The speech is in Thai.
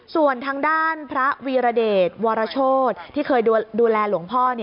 ส่วนทางด้านพระวีรเดชวรโชธที่เคยดูแลหลวงพ่อ